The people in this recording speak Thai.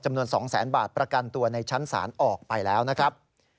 จำนวน๒แสนบาทประกันตัวในชั้นศาลออกไปแล้วนะครับ